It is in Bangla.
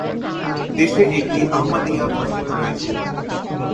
দেশে একটি আহমদিয়া মসজিদ রয়েছে।